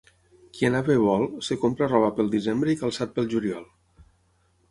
Qui anar bé vol, es compra roba pel desembre i calçat pel juliol.